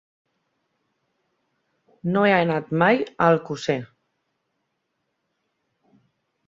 No he anat mai a Alcosser.